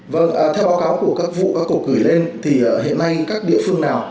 vâng theo báo cáo của các vụ cục gửi lên thì hiện nay các địa phương nào